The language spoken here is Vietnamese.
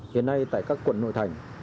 hiện nay tại các quận nội thành